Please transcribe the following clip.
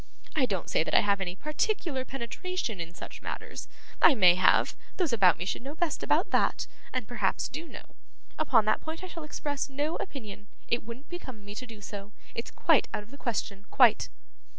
I don't say that I have any particular penetration in such matters. I may have; those about me should know best about that, and perhaps do know. Upon that point I shall express no opinion, it wouldn't become me to do so, it's quite out of the question, quite.